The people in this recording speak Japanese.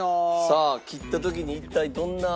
さあ切った時に一体どんな。